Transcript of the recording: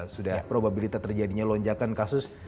sudah probabilitas terjadinya lonjakan kasus